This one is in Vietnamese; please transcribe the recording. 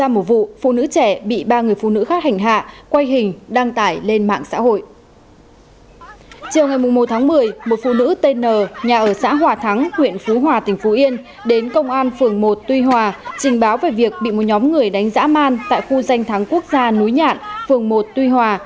một phụ nữ tên n nhà ở xã hòa thắng huyện phú hòa tỉnh phú yên đến công an phường một tuy hòa trình báo về việc bị một nhóm người đánh dã man tại khu danh thắng quốc gia núi nhạn phường một tuy hòa